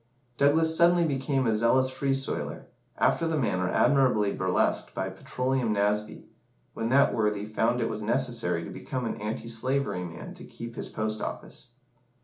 Douglas suddenly became a zealous "Free Soiler," after the manner admirably burlesqued by "Petroleum Nasby," when that worthy found it was necessary to become an anti slavery man to keep his post office.